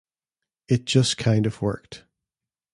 It just kind of worked.